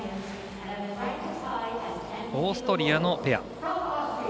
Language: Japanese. オーストリアのペア。